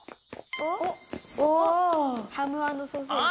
おっハムアンドソーセージ。